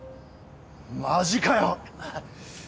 マジかよ！？